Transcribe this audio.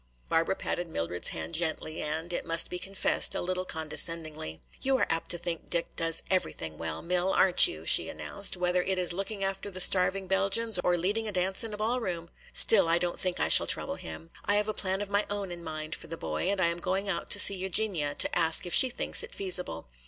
Barbara patted Mildred's hand gently and, it must be confessed, a little condescendingly. "You are apt to think Dick does everything well, Mill, aren't you," she announced, "whether it is looking after the starving Belgians or leading a dance in a ball room? Still, I don't think I shall trouble him. I have a plan of my own in mind for the boy and I am going out to see Eugenia to ask if she thinks it feasible.